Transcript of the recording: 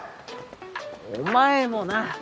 お前もな！